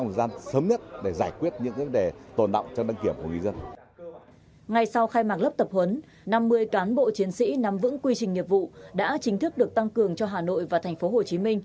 ngay sau khai mạc lớp tập huấn năm mươi cán bộ chiến sĩ nắm vững quy trình nghiệp vụ đã chính thức được tăng cường cho hà nội và tp hcm